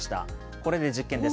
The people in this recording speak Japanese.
これで実験です。